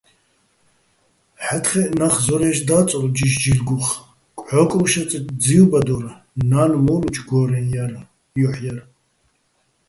ჰ̦ა́თხეჸ ნახ ზორაჲში̆ და́წურ ჯიშ-ჯილგუხ, კჵო́კრუშაჭ ძივბადო́რ, ნა́ნ მო́ლუჩო̆ გო́რეჼ ჲოჰ̦ ჲარ.